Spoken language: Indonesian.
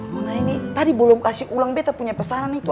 nona ini tadi belum kasih ulang beta punya pesanan itu